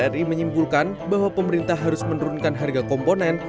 dan dpr ri menyimpulkan bahwa pemerintah harus menurunkan harga komponen